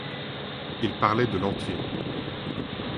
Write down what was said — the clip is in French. Ils parlaient de Lantier.